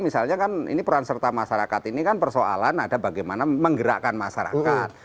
misalnya kan ini peran serta masyarakat ini kan persoalan ada bagaimana menggerakkan masyarakat